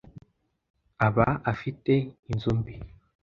aba afite inzu mbi